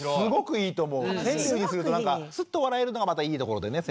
川柳にするとなんかスッと笑えるのがまたいいところでね。